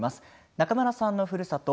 中村さんのふるさと